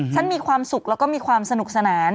มีความสุขแล้วก็มีความสนุกสนาน